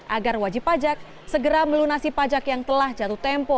agar wajib pajak segera melunasi pajak yang telah jatuh tempo